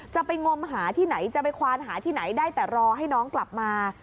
จะไปงมหาที่ไหนจะไปควานหาที่ไหนได้แต่รอให้น้องกลับมา